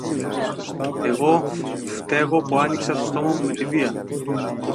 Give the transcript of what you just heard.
Εγώ φταίγω που άνοιξα το στόμα του με τη βία